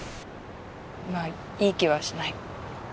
まあいい気はしない。